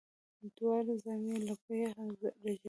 دواړي زامي یې له یخه رېږدېدلې